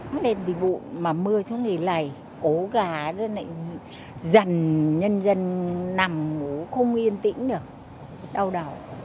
nói đến tỷ vụ mà mưa xuống thì lầy ổ gà dần nhân dân nằm ngủ không yên tĩnh nữa đau đầu